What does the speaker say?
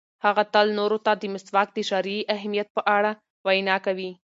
هغه تل نورو ته د مسواک د شرعي اهمیت په اړه وینا کوي.